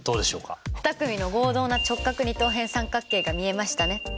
２組の合同な直角二等辺三角形が見えましたね。